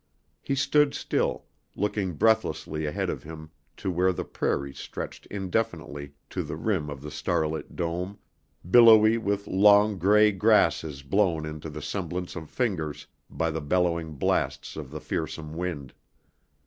He stood still, looking breathlessly ahead of him to where the prairie stretched indefinitely to the rim of the starlit dome, billowy with long gray grasses blown into the semblance of fingers by the bellowing blasts of the fearsome wind.